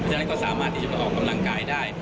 ฉะนั้นก็สามารถที่จะมาออกกำลังกายได้